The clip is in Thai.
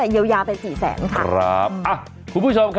เด็กพอ